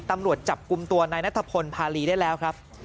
ตำรวจจับกุมตัวในนัตฑพลภาลีได้แล้วครับ